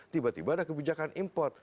tiba tiba ada kebijakan impor